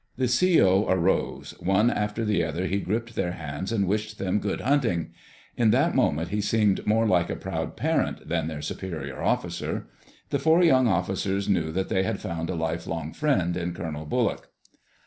The C.O. arose. One after the other he gripped their hands and wished them good hunting. In that moment he seemed more like a proud parent than their superior officer. The four young officers knew that they had found a lifelong friend in Colonel Bullock.